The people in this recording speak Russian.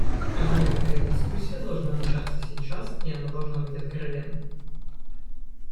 Однако такая дискуссия должна начаться сейчас, и она должны быть откровенной.